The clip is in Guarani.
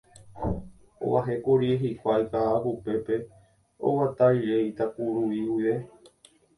Og̃uahẽkuri hikuái Ka'akupépe oguata rire Itakuruvi guive